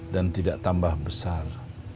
dan tidak tambah besar